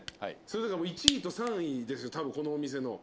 それだから１位と３位たぶんこのお店の。